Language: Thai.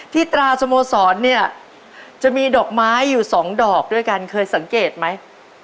ตราสโมสรเนี่ยจะมีดอกไม้อยู่สองดอกด้วยกันเคยสังเกตไหม